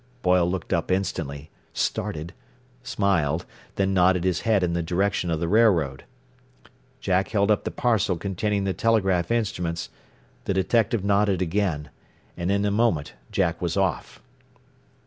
Boyle looked up instantly, started, smiled, then nodded his head in the direction of the railroad. Jack held up the parcel containing the telegraph instruments, the detective nodded again, and in a moment Jack was off.